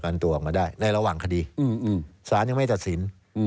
ในระหว่างคดีศาลยังไม่จัดสิน